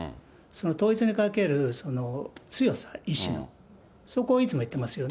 統一にかける強さ、意志の、そこをいつも言ってますよね。